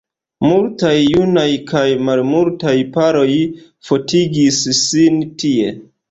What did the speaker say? Multaj junaj kaj maljunaj paroj fotigis sin tie.